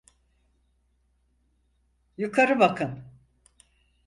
Yukarı bakın!